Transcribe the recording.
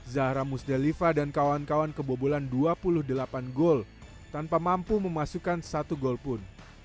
zahra musdalifa dan kawan kawan kebobolan dua puluh delapan gol tanpa mampu memasukkan satu gol pun